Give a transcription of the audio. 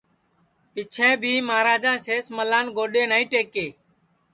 پیچھیں بھی مہاراجا سینس ملان گوڈؔے نائی ٹئکے